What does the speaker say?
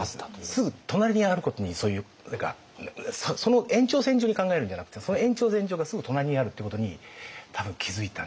すぐ隣にあることにそういう何かその延長線上に考えるんじゃなくてその延長線上がすぐ隣にあるってことに多分気づいたんじゃないか